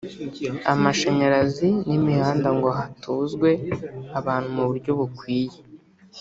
amashanyarazi n’imihanda ngo hatuzwe abantu mu buryo bukwiye